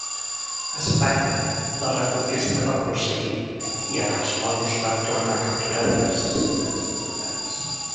A Espanya, la Reconquesta va prosseguir, ja que els moros van tornar a capturar diverses ciutats importants.